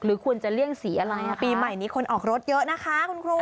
ควรจะเลี่ยงสีอะไรปีใหม่นี้คนออกรถเยอะนะคะคุณครู